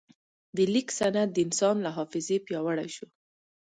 د لیک سند د انسان له حافظې پیاوړی شو.